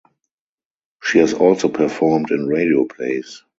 She has also performed in radio plays.